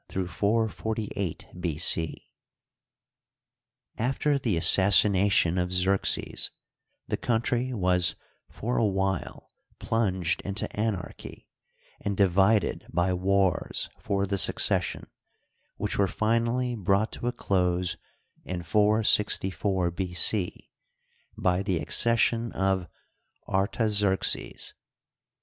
c). — After the assassina tion of Xerxes the country was for a while plunged into anarchy and divided by wars for the succession, which were finally brought to a close in 464 B. c. by the acces sion of Artaxerxes.